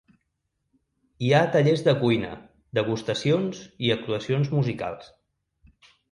Hi ha tallers de cuina, degustacions i actuacions musicals.